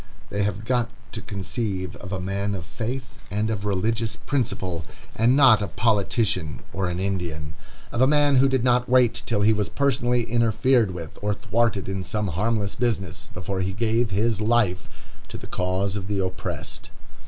They have got to conceive of a man of faith and of religious principle, and not a politician or an Indian; of a man who did not wait till he was personally interfered with, or thwarted in some harmless business, before he gave his life to the cause of the oppressed.